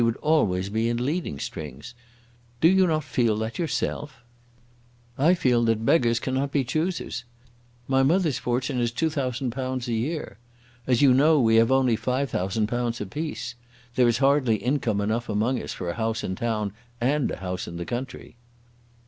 She would always be in leading strings. Do you not feel that yourself?" "I feel that beggars cannot be choosers. My mother's fortune is £2000 a year. As you know we have only 5000_l._ a piece. There is hardly income enough among us for a house in town and a house in the country."